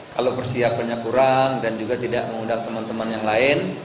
kalau persiapannya kurang dan juga tidak mengundang teman teman yang lain